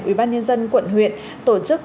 ủy ban nhân dân quận huyện tổ chức